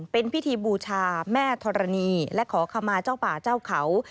เป็นพิธีบูชาแม่ธรณีและขอขมาเจ้าป่าเจ้าเขา